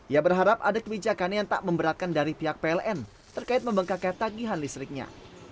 ia berharap ada kebijakan yang tak memberatkan dari pihak pln terkait membengkaknya tagihan listriknya